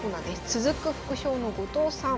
続く副将の後藤さん。